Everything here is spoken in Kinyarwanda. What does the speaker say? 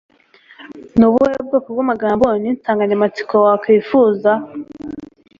Ni ubuhe bwoko bw'amagambo n'insanganyamatsiko wakwifuza?